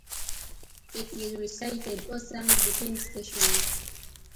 It is recited or sung between stations.